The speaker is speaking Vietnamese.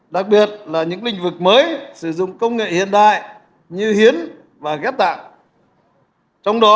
đặc biệt trong lĩnh vực mới sử dụng công nghệ hiện đại như hiến ghép tạng